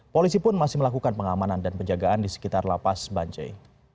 polisi pun masih melakukan pengamanan dan penjagaan di sekitar lapas bancai